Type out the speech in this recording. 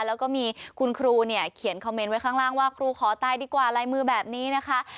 แล้วก็มีคุณครูเนี่ยเขียนคอมเมนต์ไว้ข้างล่างว่าครูขอตายดีกว่าลายมือแบบนี้นะคะ